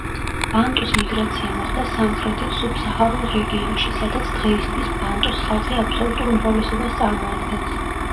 ბანტუს მიგრაცია მოხდა სამხრეთით სუბსაჰარულ რეგიონში, სადაც დღეისთვის ბანტუს ხალხი აბსოლუტურ უმრავლესობას წარმოადგენს.